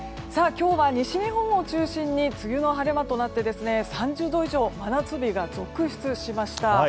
今日は西日本を中心に梅雨の晴れ間となって３０度以上真夏日が続出しました。